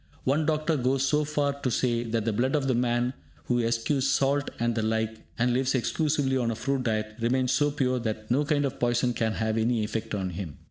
One doctor goes so far as to say that the blood of the man who eschews salt and the like, and lives exclusively on a fruit diet, remains so pure that no kind of poison can have any effect on him.